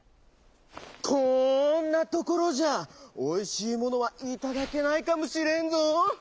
こんなところじゃおいしいものはいただけないかもしれんぞ。